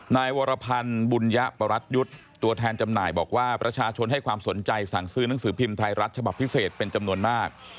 นายวรพันธ์บุญยปรัชยุทธ์ตัวแทนจำหน่ายบอกว่าประชาชนให้ความสนใจสั่งซื้อหนังสือพิมพ์ไทยรัฐฉบับพิเศษเป็นจำนวนมาก